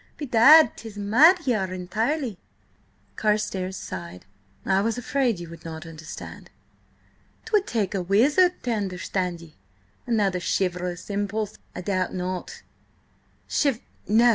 Bedad, 'tis mad ye are entirely!" Carstares sighed. "I was afraid you would not understand." "'Twould take a wizard to understand ye! Another chivalrous impulse, I doubt not?" "Chiv—! No.